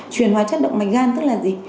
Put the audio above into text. truyền hóa chất động mạch gan tức là gì